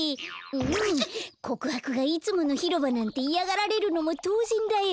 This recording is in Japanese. こくはくがいつものひろばなんていやがられるのもとうぜんだよ。